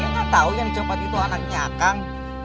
dia gak tau yang dicopet itu anaknya akang